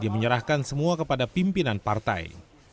dia menyerahkan semua kepada pimpinan partai